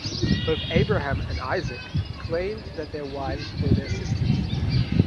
Both Abraham and Isaac claimed that their wives were their sisters.